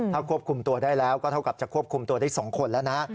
ถ้าควบคุมตัวได้แล้วก็เท่ากับจะควบคุมตัวได้๒คนแล้วนะ